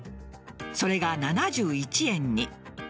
それが７１円に。